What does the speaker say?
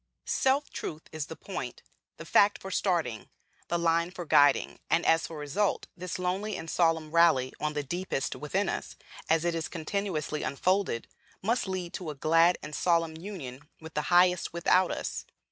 Self truth is the point, the fact for starting, the line for guiding; and as for result, this lonely and solemn rally on the deepest within us, as it is continuously unfolded, must lead to a glad and solemn union with the Highest without us.